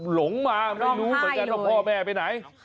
หลงมาไม่รู้เป็นการร่องพ่อแม่ไปไหน